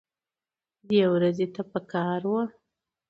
دې ورځ ته پکار وه